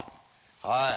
はい。